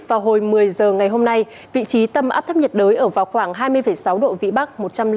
vào hồi một mươi h ngày hôm nay vị trí tâm áp thấp nhiệt đới ở vào khoảng hai mươi sáu độ vĩ bắc